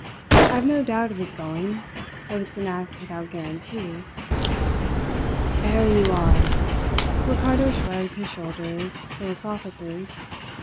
I have no doubt of his going, but it's an act without guarantee." "There you are!" Ricardo shrugged his shoulders philosophically.